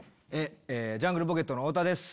ジャングルポケットの太田です。